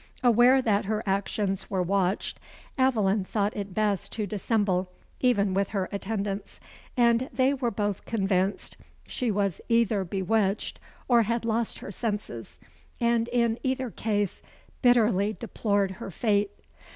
Aware that her actions were watched, Aveline thought it best to dissemble, even with her attendants; and they were both convinced she was either bewitched or had lost her senses; and in either case bitterly deplored her fate.